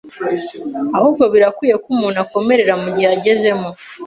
ahubwo birakwiye ko umuntu akomerera mu gihe agezemo